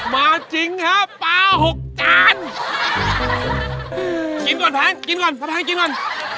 มาจริงครับปลาหกจานกินก่อนแพ้งกินก่อนแพ้งกินก่อน